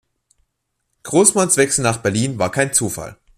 Großmanns Wechsel nach Berlin war kein Zufall.